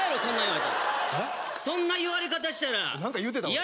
言われたらそんな言われ方したら何か言うてた俺？